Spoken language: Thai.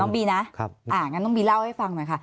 อะน้องบีน่ะงั้นน้องบีเล่าให้ฟังด้วยนะคะ